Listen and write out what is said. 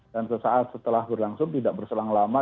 dan ke saat setelah berlangsung tidak berselang lama